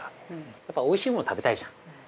やっぱ、おいしいもの食べたいじゃん。